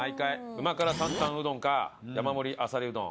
うま辛担々うどんか山盛りあさりうどん